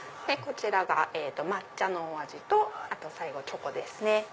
こちらが抹茶のお味と最後チョコですね。